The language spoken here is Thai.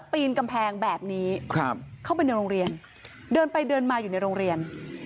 ปีนกำแพงแบบนี้เข้าไปในโรงเรียนเดินไปเดินมาอยู่ในโรงเรียน